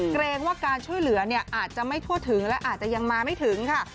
เกรงว่าการช่วยเหลือเนี่ยอาจจะไม่ทั่วถึงและอาจจะยังมาไม่ถึงค่ะ